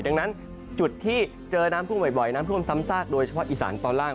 ดังนั้นจุดที่เจอน้ำท่วมบ่อยน้ำท่วมซ้ำซากโดยเฉพาะอีสานตอนล่าง